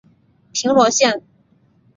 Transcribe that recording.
平罗线